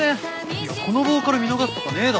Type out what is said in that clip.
いやこのボーカル見逃すとかねえだろ。